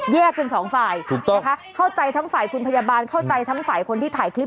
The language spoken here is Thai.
แยกเป็นสองฝ่ายเข้าใจทั้งฝ่ายคุณพยาบาลเข้าใจทั้งฝ่ายคนที่ถ่ายคลิป